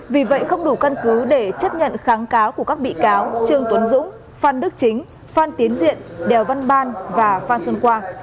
vì vậy không đủ căn cứ để chấp nhận kháng cáo của các bị cáo trương tuấn dũng phan đức chính phan tiến diện đèo văn ban và phan xuân quang